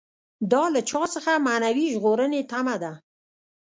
دا له چا څخه معنوي ژغورنې تمه ده.